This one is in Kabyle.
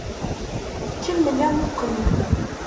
Kemmel amuqqel!